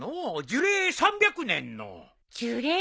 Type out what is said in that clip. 樹齢３００年？